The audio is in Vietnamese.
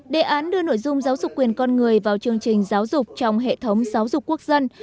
đề án đưa nội dung giáo dục quyền con người vào chương trình giáo dục trong hệ thống giáo dục quốc dân